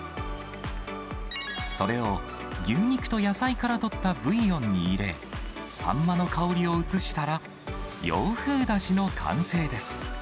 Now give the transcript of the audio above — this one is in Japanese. それを牛肉と野菜からとったブイヨンに入れ、サンマの香りを移したら、洋風だしの完成です。